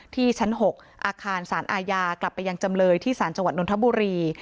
ที่ชั้น๖อาคารสารอาญากลับไปยังจำเลยที่สารจังหวัดนทบุรี